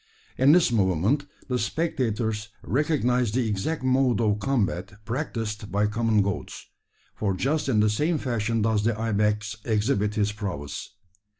In this movement the spectators recognised the exact mode of combat practised by common goats; for just in the same fashion does the ibex exhibit his prowess.